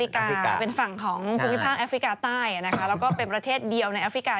ของคุณพิภาคแอฟริกาใต้นะคะแล้วก็เป็นประเทศเดียวในแอฟริกา